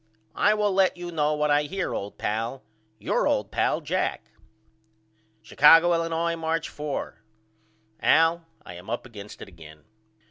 I will let you know what I hear old pal. Your old pal, JACK. Chicago, Illinois, March 4. AL: I am up against it again.